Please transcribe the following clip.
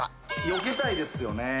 よけたいですよね。